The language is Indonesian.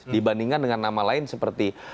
dibandingkan dengan nama lain seperti